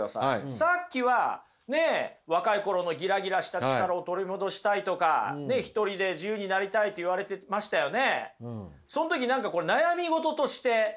さっきはね若い頃のギラギラした力を取り戻したいとか１人で自由になりたいと言われてましたよね。